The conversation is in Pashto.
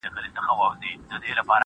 چي اوس دي هم په سترګو کي پیالې لرې که نه,